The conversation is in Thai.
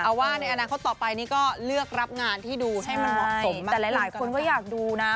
เอาว่าในอนาคตต่อไปนี่ก็เลือกรับงานที่ดูให้มันเหมาะสมแต่หลายคนก็อยากดูนะ